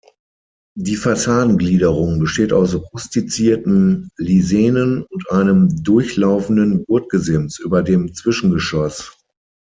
Die Fassadengliederung besteht aus rustizierten Lisenen und einem durchlaufenden Gurtgesims über dem Zwischengeschoss.